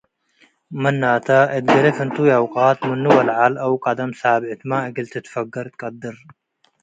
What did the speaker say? ምናተ፡ እት ገሌ ፍንቱይ አውቃት ምኑ ወለዐል አው ቀደም ሳብዕትመ እግል ትትፋገር ትቀድር ።